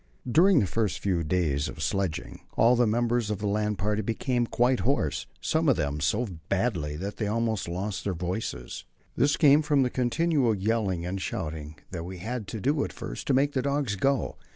During the first few days of sledging all the members of the land party became quite hoarse, some of them so badly that they almost lost their voices. This came from the continual yelling and shouting that we had to do at first to make the dogs go.